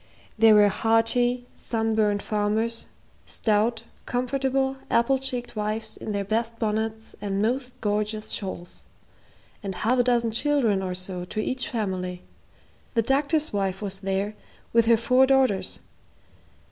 There were hearty, sunburned farmers, stout, comfortable, apple cheeked wives in their best bonnets and most gorgeous shawls, and half a dozen children or so to each family. The doctor's wife was there, with her four daughters.